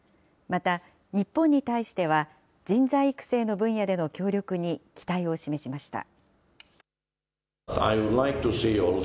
また、日本に対しては人材育成の分野での協力に期待を示しました。